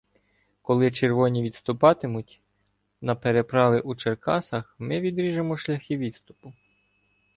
Коли червоні відступатимуть на переправи у Черкасах, ми відріжемо шляхи відступу.